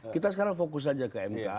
kita sekarang fokus saja ke mk